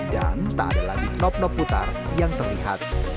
dan tak ada lagi knop knop putar yang terlihat